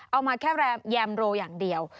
เอามาแค่แยมโรอย่างเดียว